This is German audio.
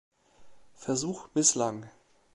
Versuch misslang.